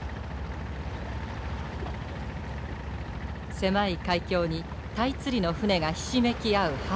狭い海峡にタイ釣りの船がひしめき合う春。